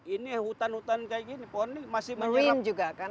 ini hutan hutan kayak gini pohon ini masih menyerap juga kan